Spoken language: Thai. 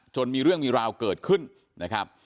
มีเรื่องมีราวเกิดขึ้นนะครับ